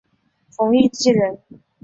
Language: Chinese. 冯誉骥人。